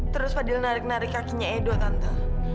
terus fadil narik narik kakinya edo kantor